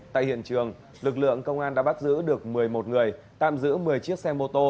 tại hiện trường lực lượng công an đã bắt giữ được một mươi một người tạm giữ một mươi chiếc xe mô tô